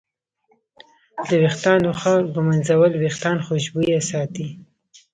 د ویښتانو ښه ږمنځول وېښتان خوشبویه ساتي.